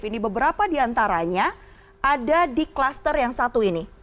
ini beberapa diantaranya ada di kluster yang satu ini